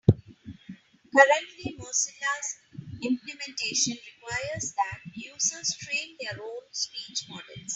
Currently, Mozilla's implementation requires that users train their own speech models.